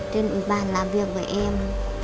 trên ủi bàn làm việc với em